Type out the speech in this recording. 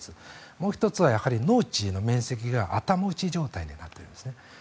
もう１つは農地の面積が頭打ち状態になっているんですね。